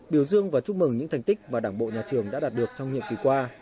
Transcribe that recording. biểu dương và chúc mừng những thành tích mà đảng bộ nhà trường đã đạt được trong nhiệm kỳ qua